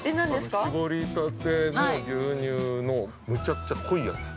搾りたての牛乳のむちゃくちゃ濃いやつ。